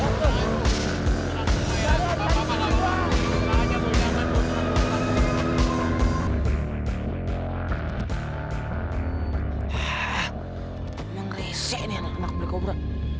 emang risih nih anak anak berkobra